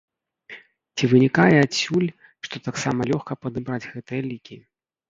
Ці вынікае адсюль, што таксама лёгка падабраць гэтыя лікі?